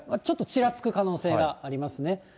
ちょっとちらつく可能性がありますね。